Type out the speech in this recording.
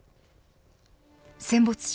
戦没者